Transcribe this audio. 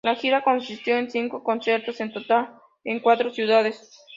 La gira consistió en cinco conciertos en total, en cuatro ciudades.